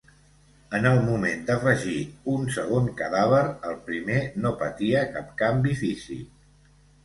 En el moment d’afegir un segon cadàver, el primer no patia cap canvi físic.